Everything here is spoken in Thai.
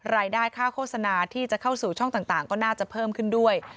รายได้ค่าโฆษณาที่จะเข้าสู่ช่องต่างก็น่าจะเพิ่มขึ้นด้วย